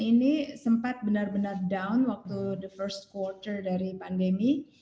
memang untuk fashion ini sempat benar benar down waktu the first quarter dari pandemi